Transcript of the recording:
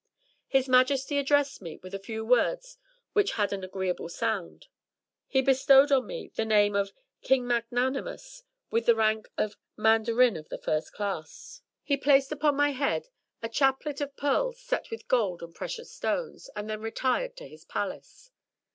His Majesty addressed me with a few words which had an agreeable sound. He bestowed on me the name of ''King Mag nanimous'' with the rank of Mandarin of the First Class. He i6i MY BOOK HOUSE placed upon my head a chaplet of pearls set with gold and precious stones, and then retired to his Palace.